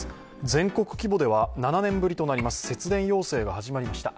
全国規模では７年ぶりとなります節電要請が始まりました。